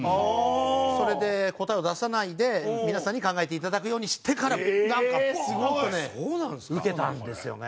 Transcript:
それで答えを出さないで皆さんに考えていただくようにしてからなんかボーン！とねウケたんですよね。